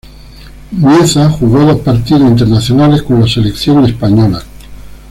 Mieza jugó dos partidos internacionales con la selección española.